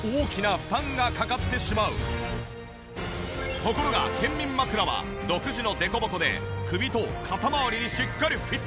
ところが健眠枕は独自のデコボコで首と肩まわりにしっかりフィット。